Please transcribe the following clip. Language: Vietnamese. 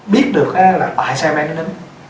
biết được là tại sao em bé nó nín